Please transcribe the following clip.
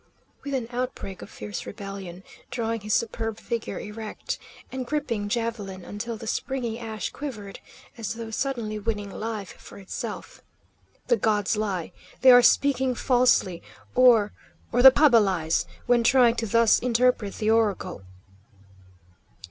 with an outbreak of fierce rebellion, drawing his superb figure erect, and gripping javelin until the springy ash quivered, as though suddenly winning life for itself. "The gods lie! They are speaking falsely, or or the paba lies, when trying to thus interpret the oracle!"